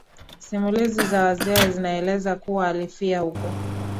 simulizi za wazee zinaeleza kuwa alifia huko